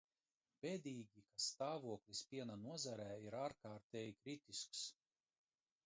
Bēdīgi, ka stāvoklis piena nozarē ir ārkārtēji kritisks.